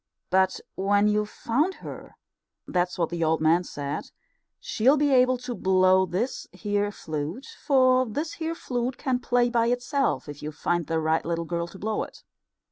But when you've found her that's what the old man said she'll be able to blow this here flute, for this here flute can play by itself if you find the right little girl to blow it.